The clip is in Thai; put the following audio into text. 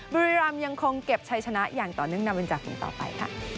บริรามยังคงเก็บชัยชนะอย่างต่อเนื่องนาวินจาฝุ่งต่อไป